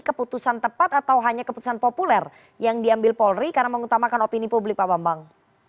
keputusan tepat atau hanya keputusan populer yang diambil polri karena mengutamakan opini publik pak bambang